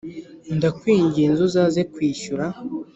ndakwinginze uzaze kwishyura